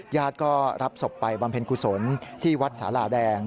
ญาติก็รับศพไปบำเพ็ญกุศลที่วัดสาหร่าแดง